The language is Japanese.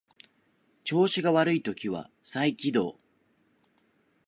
調子が悪い時は再起動